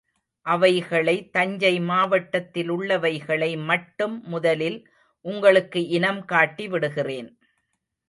அவைகளை தஞ்சை மாவட்டத்திலுள்ளவைகளை மட்டும் முதலில் உங்களுக்கு இனம் காட்டி விடுகிறேன்.